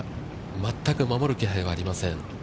全く守る気配はありません。